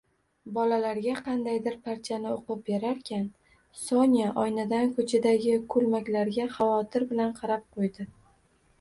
Bolalarga qandaydir parchani oʻqib berarkan, Sonya oynadan koʻchadagi koʻlmaklarga xavotir bilan qarab qoʻydi